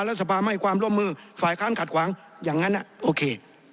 แล้วสปาให้ความร่วมมือสายค้างขัดขวางอย่างงั้นอ่ะโอเค